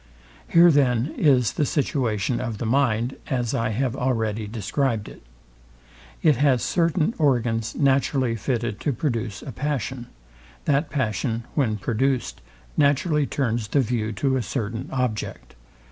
Here then is the situation of the mind, as I have already described it. It has certain organs naturally fitted to produce a passion; that passion, when produced, naturally turns the view to a certain object.